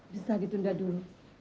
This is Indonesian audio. bisa ditunda dulu